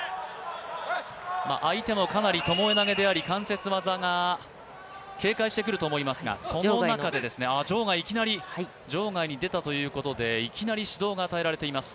相手もかなりともえ投げであり関節技が警戒してくると思いますが、いきなり場外に出たということで、指導が与えられています。